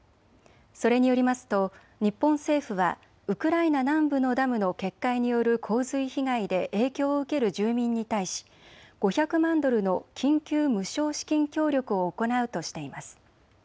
それによりますと日本政府はウクライナ南部のダムの決壊による洪水被害で影響を受ける住民に対し、５００万ドルの緊急無償資金協力を行うとしています。